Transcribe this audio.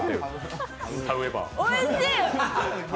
おいしい！